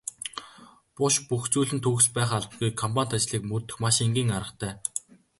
Буш бүх зүйл нь төгс байх албагүй компанит ажлыг мөрдөх маш энгийн аргатай.